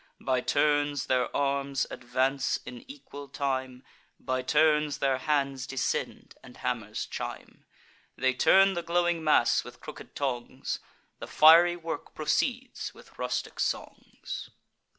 By turns their arms advance, in equal time; By turns their hands descend, and hammers chime. They turn the glowing mass with crooked tongs; The fiery work proceeds, with rustic songs.